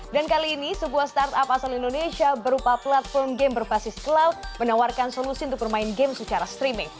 dan kali ini sebuah startup asal indonesia berupa platform game berbasis cloud menawarkan solusi untuk bermain game secara streaming